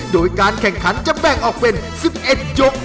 โดยการแข่งขันจะแบ่งออกเป็น๑๑ยก